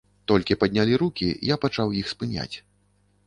Толькі паднялі рукі, я пачаў іх спыняць.